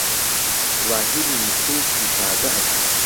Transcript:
زاهیری نوسووس ئیفادە ئەکا